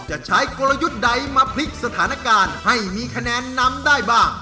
จะใช้กลยุทธ์ใดมาพลิกสถานการณ์ให้มีคะแนนนำได้บ้าง